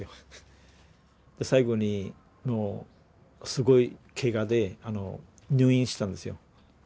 最後にもうすごいケガで入院したんですよ。